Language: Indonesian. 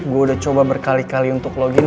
gue udah coba berkali kali untuk logging